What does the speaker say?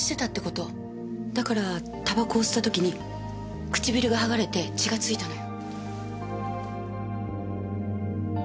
だからタバコを吸った時に唇がはがれて血がついたのよ。